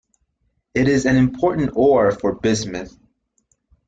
It is an important ore for bismuth.